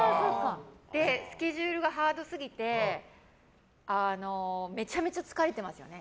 スケジュールがハードすぎてめちゃめちゃ疲れてますよね。